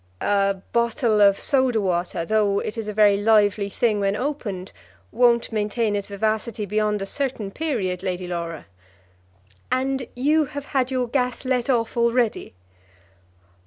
"A bottle of soda water, though it is a very lively thing when opened, won't maintain its vivacity beyond a certain period, Lady Laura." "And you have had your gas let off already?"